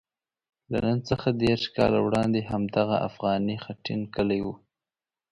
له نن څخه دېرش کاله وړاندې همدغه افغاني خټین کلی وو.